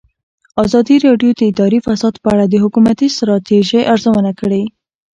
ازادي راډیو د اداري فساد په اړه د حکومتي ستراتیژۍ ارزونه کړې.